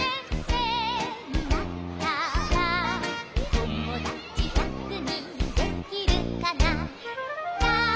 「ともだちひゃくにんできるかな」